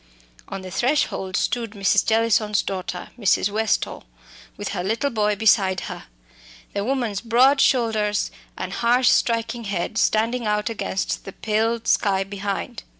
On the threshold stood Mrs. Jellison's daughter, Mrs. Westall, with her little boy beside her, the woman's broad shoulders and harsh striking head standing out against the pale sky behind.